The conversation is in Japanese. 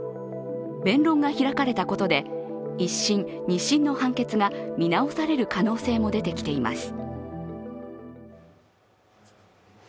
弁論が開かれたことで１審・２審の判決が見直される可能性も出てきています。